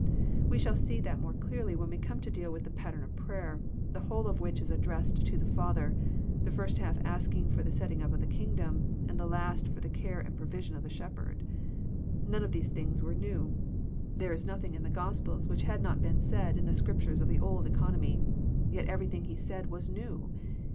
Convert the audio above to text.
We shall see that more clearly when we come to deal with the pattern prayer, the whole of which is addressed to the Father, the first half asking for the setting up of the Kingdom, and the last for the care and provision of the Shepherd. I^one of these things were new. There is nothing in the Gospels which had not been said in the Scriptures of the old economy. Yet everything He said was new.